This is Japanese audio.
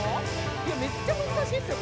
いやめっちゃ難しいですよ